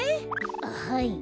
あっはい。